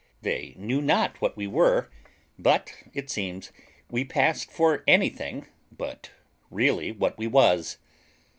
They knew not what we were, but it seems we passed for anything but really what we was.